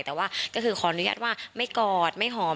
แต่ว่าก็คือขออนุญาตว่าไม่กอดไม่หอม